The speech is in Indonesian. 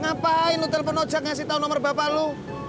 ngapain lo telepon ojak ngasih tahu nomor bapak lu